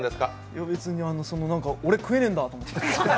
嫌別に俺食えねえんだと思って。